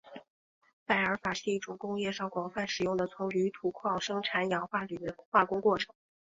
拜耳法是一种工业上广泛使用的从铝土矿生产氧化铝的化工过程。